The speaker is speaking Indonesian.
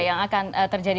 yang akan terjadi